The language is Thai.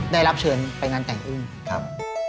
ได้รับเชิญไปงานแต่งอุ่ม